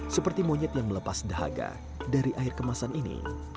seperti monyet yang melepas dahaga dari air kemasan ini